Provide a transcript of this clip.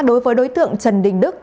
đối với đối tượng trần đình đức